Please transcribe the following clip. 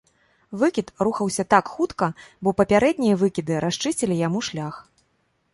Выкід рухаўся так хутка, бо папярэднія выкіды расчысцілі яму шлях.